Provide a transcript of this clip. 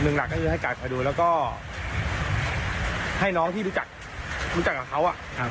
เรื่องหลักก็คือให้กาดคอยดูแล้วก็ให้น้องที่รู้จักกับเขา